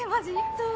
そう！